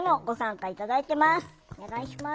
お願いします。